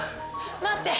待って！